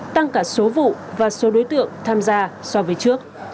tăng cả số vụ và số đối tượng tham gia so với trước